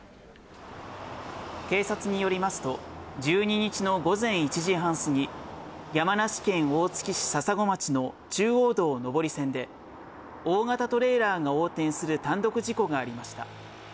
警察によりますと、１２日の午前１時半過ぎ、山梨県大月市笹子町の中央道上り線で、大型トレーラーが横転する単独事故がありました。